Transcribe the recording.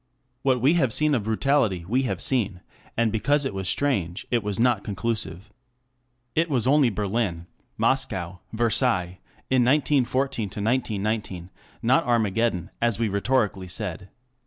What we have seen of brutality, we have seen, and because it was strange, it was not conclusive. It was only Berlin, Moscow, Versailles in 1914 to 1919, not Armageddon, as we rhetorically said.